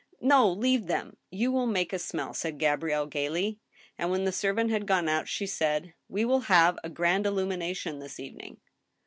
" No, leave them. You will make a smell," said Gabrielle, gayly. And, when the servant had gone out, she said :" We will have a grand illumination this evening."